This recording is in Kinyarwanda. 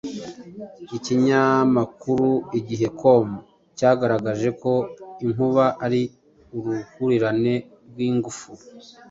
Ikinyamakuru Igihe.com cyagaragaje ko inkuba ari uruhurirane rw’ingufu